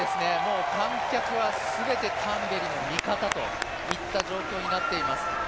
観客は全てタンベリの味方といった状況になっています。